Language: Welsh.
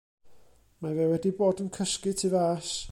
Ma' fe wedi bod yn cysgu tu fas.